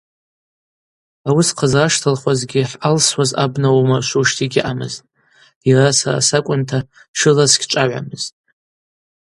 Ауи схъызраштылхуазгьи – хӏъалсуаз абна уамыршвушта йгьаъамызтӏ, йара сара сакӏвынта – тшыла сгьчӏвагӏвамызтӏ.